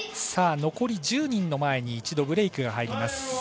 残り１０人の前に一度ブレークが入ります。